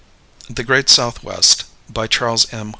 The Great Southwest. BY CHARLES M.